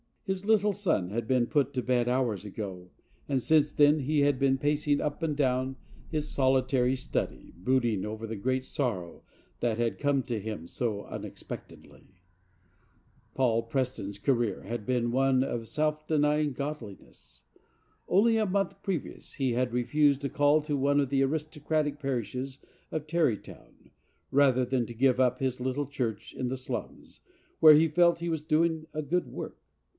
His little son had been put to bed hours ago, and since then he had been pacing up and down his solitary study, brooding over the great sorrow that had come to him so unexpectedly. Paul Preston's career had been one of self denying godliness. Only a month previous he had refused a call to one of the aristocratic parishes of Tarrytown rather than to give up his little church in the slums, where he felt he was doing a good work.